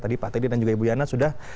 tadi pak teddy dan juga ibu yana sudah